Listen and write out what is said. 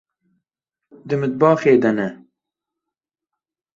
Di mitbaxê de ne.